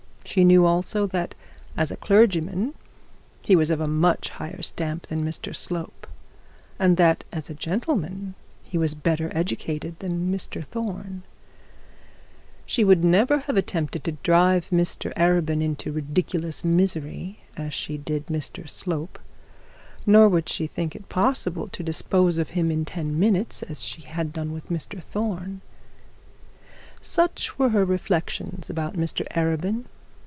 She knew also, that as a clergyman he was of a much higher stamp than Mr Slope, and that as gentleman he was better educated than Mr Thorne. She would never have attempted to drive Mr Arabin into ridiculous misery as she did Mr Slope, nor would she think it possible to dispose of him in ten minutes as she had done with Mr Thorne. Such were her reflections about Mr Arabin.